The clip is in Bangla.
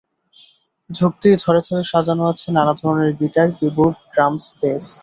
ঢুকতেই থরে থরে সাজানো আছে নানা ধরনের গিটার, কি-বোর্ড, ড্রামস, বেস।